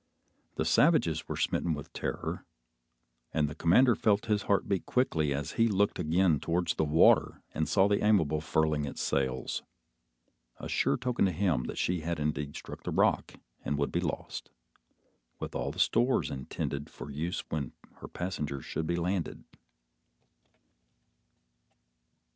The savages were smitten with terror, and the commander felt his heart beat quickly as he looked again towards the water and saw the Aimable furling its sails, a sure token to him that she had indeed struck the rock and would be lost, with all the stores intended for use when her passengers should be landed.